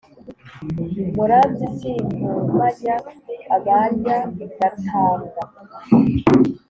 muranzi simpumanya abanyagatanga.